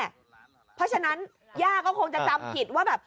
เพราะฉะนั้นย่าก็คงจะจำผิดว่าแบบ